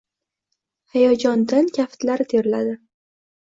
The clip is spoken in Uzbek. Hayajondan kaftlari terladi